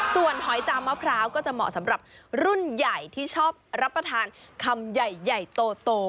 ส่วนหอยจามมะพร้าวก็จะเหมาะสำหรับรุ่นใหญ่ที่ชอบรับประทานคำใหญ่โต